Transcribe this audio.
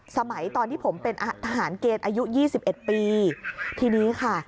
สมัยตอนที่ผมเป็นทหารเกณฑ์อายุยี่สิบเอ็ดปีทีนี้ค่ะ